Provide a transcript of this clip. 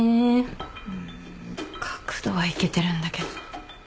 うん角度はいけてるんだけど。